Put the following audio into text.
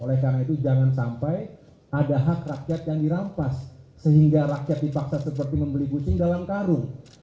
oleh karena itu jangan sampai ada hak rakyat yang dirampas sehingga rakyat dipaksa seperti membeli kucing dalam karung